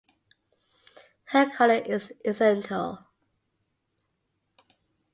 Her color is incidental.